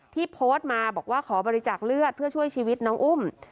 ที่โพสต์มาบอกว่าขอบริจาคเลือดเพื่อช่วยชีวิตน้องอุ้ม